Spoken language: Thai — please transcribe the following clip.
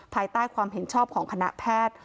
ภายใต้ความเห็นชอบของคณะแพทย์